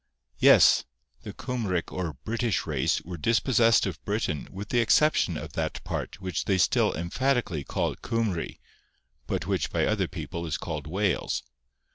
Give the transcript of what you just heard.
Yes; the Cymric or British race were dispossessed of Britain with the exception of that part which they still emphatically call Cumrie, but which by other people is called Wales.